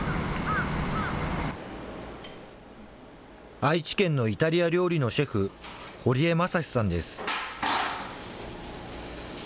愛知県のイタリア料理のシェフ、堀江政史さんです。